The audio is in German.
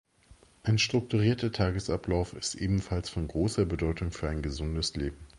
Ein strukturierter Tagesablauf ist ebenfalls von großer Bedeutung für ein gesundes Leben.